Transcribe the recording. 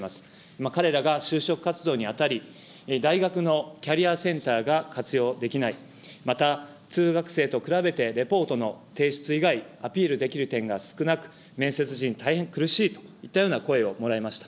今、彼らが就職活動にあたり、大学のキャリアセンターが活用できない、また通学生と比べてレポートの提出以外、アピールできる点が少なく、面接時に大変苦しいといった声をもらいました。